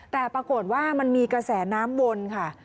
แต่ปรากฏว่ามันมีกระแสน้ำวนค่ะ